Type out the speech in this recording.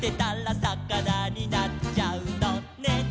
「さかなになっちゃうのね」